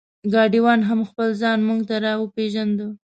ګاډیوان هم خپل ځان مونږ ته را وپېژنده.